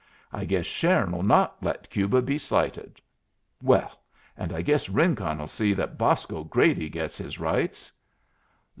I guess Sharon'll not let Cuba be slighted." "Well, and I guess Rincon'll see that Bosco Grady gets his rights."